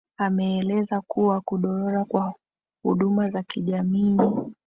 ameelezea kuwa kudorora kwa huduma za kijamii